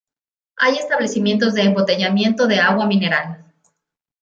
Hay establecimientos de embotellamiento de agua mineral.